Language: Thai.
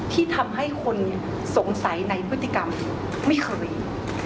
ที่ทำให้คนสงสัยในพฤติกรรมไม่เคยมี